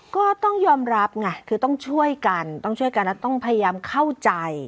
ก็ต้องยอมรับไงคือต้องช่วยกันต้องช่วยกันแล้วต้องพยายามเข้าใจ